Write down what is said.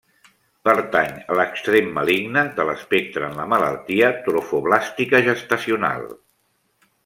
Pertany a l'extrem maligne de l'espectre en la malaltia trofoblàstica gestacional.